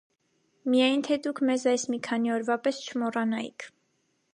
Միայն թե դուք մեզ այս մի քանի օրվա պես չմոռանայիք: